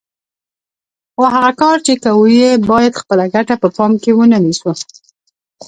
خو هغه کار چې کوو یې باید خپله ګټه په پام کې ونه نیسو.